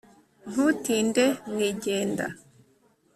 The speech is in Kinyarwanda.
Ntutinde mu igenda